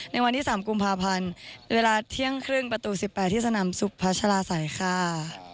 ในวันที่๓กุมภาพันธ์เวลาเที่ยงครึ่งประตู๑๘ที่สนามสุขพัชลาศัยค่ะ